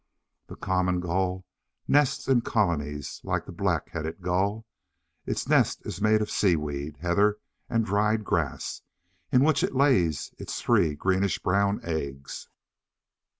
The Common Gull nests in "colonies," like the Black headed Gull. Its nest is made of seaweed, heather, and dried grass, in which it lays its three greenish brown eggs.